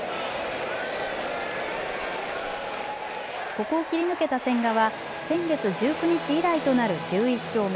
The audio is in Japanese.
ここを切り抜けた千賀は先月１９日以来となる１１勝目。